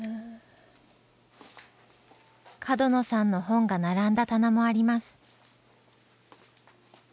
角野さんの本が並んだ棚もあります。